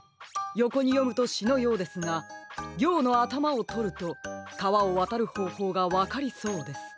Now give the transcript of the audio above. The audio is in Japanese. よこによむとしのようですがぎょうのあたまをとるとかわをわたるほうほうがわかりそうです。